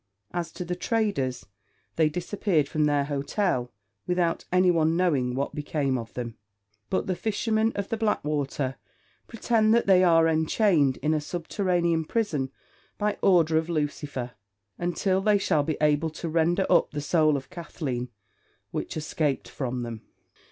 As to the traders, they disappeared from their hotel without anyone knowing what became of them. But the fishermen of the Blackwater pretend that they are enchained in a subterranean prison by order of Lucifer, until they shall be able to render up the soul of Kathleen, which escaped from them.